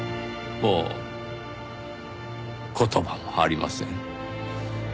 もう言葉もありません。